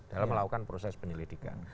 dalam melakukan proses penyelidikan